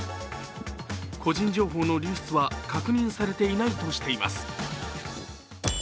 個人情報の流出は確認されていないとしています。